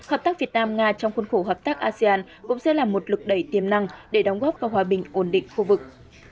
hợp tác việt nam nga trong khuôn khổ hợp tác asean cũng sẽ là một lực đầy tiềm năng để đóng góp vào hòa bình ổn định khu vực